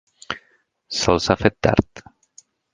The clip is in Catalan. Se'ls ha fet tard.